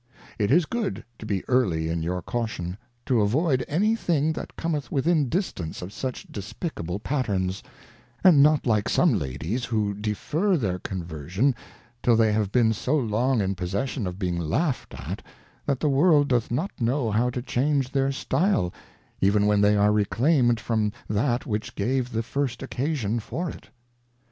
It is good to be early in your Caution, to avoid any thing that cometh within distance of such despicable Patterns, and not like some Ladies, who defer their Conversion, till they have been so long in possession of being laughed at, that the World doth not know how to change their style, even when they are reclaimed from that which gave the first occasion for it.